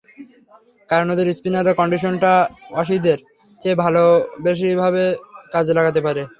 কারণ ওদের স্পিনাররা কন্ডিশনটা অসিদের চেয়ে বেশি ভালোভাবে কাজে লাগাতে পারে।